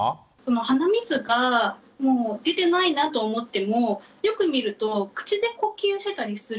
鼻水がもう出てないなと思ってもよく見ると口で呼吸してたりするんですよ。